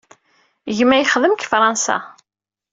Gma yexdem deg Fṛansa.